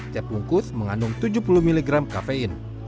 cap bungkus mengandung tujuh puluh mg kafein